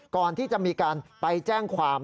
ก่อนที่จะมีการไปแจ้งความ